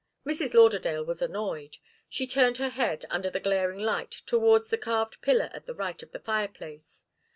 Mrs. Lauderdale was annoyed. She turned her head, under the glaring light, towards the carved pillar at the right of the fireplace.